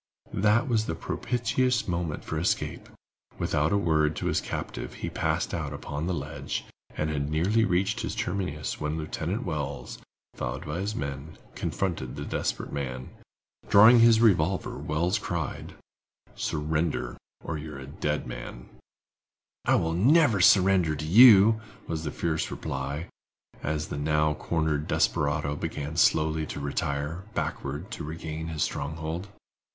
That was the propitious moment for escape. Without a word to his captive, he passed out upon the ledge, and had nearly reached its terminus when Lieutenant Wells, followed by his men, confronted the desperate man. Drawing his revolver, Wells cried: "Surrender or you are a dead man!" "I never will surrender to you," was the fierce reply, as the now cornered desperado began slowly to retire, backward, to regain his stronghold.